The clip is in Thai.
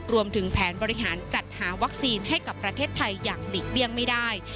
รวมถึงแผนบริหารจัดหาวัคซีนให้กับประเทศไทยอย่างหลีกเลี่ยงไม่ได้